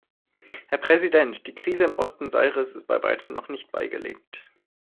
Herr Präsident, die Krise im Osten Zaires ist bei weitem noch nicht beigelegt.